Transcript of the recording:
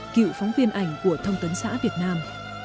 cựu phóng viên ảnh của thông tấn xã việt nam